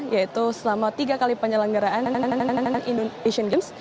yaitu selama tiga kali penyelenggaraan asian games